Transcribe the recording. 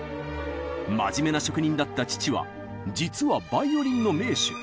真面目な職人だった父は実はバイオリンの名手。